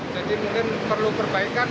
jadi mungkin perlu perbaikan nih